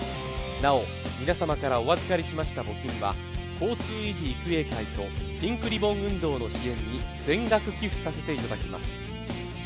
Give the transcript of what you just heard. なお、皆様からお預かりしました募金は、交通遺児育英会とピンクリボン運動の支援に全額寄付させていただきます。